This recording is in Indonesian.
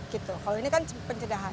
kalau ini kan pencegahan